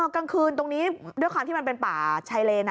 กลางคืนตรงนี้ด้วยความที่มันเป็นป่าชายเลน